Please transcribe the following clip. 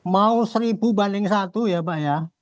mau seribu banding satu ya pak ya